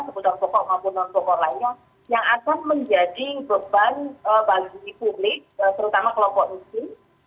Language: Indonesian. kebutuhan pokok maupun non pokok lainnya yang akan menjadi beban bagi publik terutama kelompok miskin